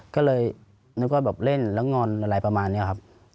ก็เลยนึกว่าแบบเล่นแล้วงอนอะไรประมาณนี้ครับ